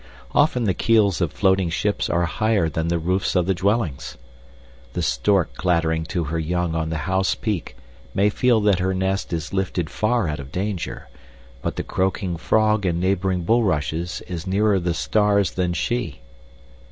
Often the keels of floating ships are higher than the roofs of the dwellings. The stork clattering to her young on the house peak may feel that her nest is lifted far out of danger, but the croaking frog in neighboring bulrushes is nearer the stars than she.